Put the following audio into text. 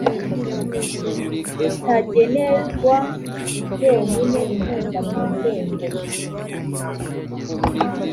ritagenerwa ryonyine inkunga mu ngengo